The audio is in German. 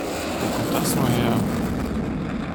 Wo kommt das nur her?